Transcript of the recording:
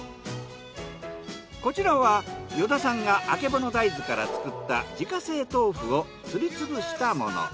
こちらは依田さんがあけぼの大豆から作った自家製豆腐をすり潰したもの。